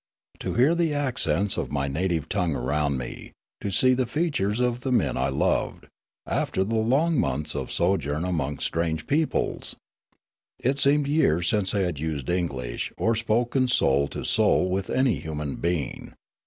To hear the accents of my native tongue around me, to see the features of the men I loved, after the long months of sojourn amongst strange peoples ! It seemed years since I had used English, or spoken soul to soul with any human being.